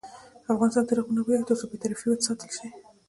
افغانستان تر هغو نه ابادیږي، ترڅو بې طرفي وساتل شي.